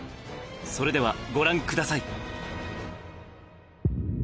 それではご覧ください。